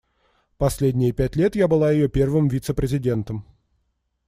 Последние пять лет я была её первым вице-президентом.